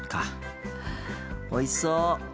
おいしそう！